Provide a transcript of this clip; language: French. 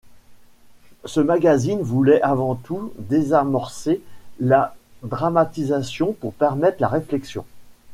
Ce magazine voulait avant tout désamorcer la dramatisation pour permettre la réflexion.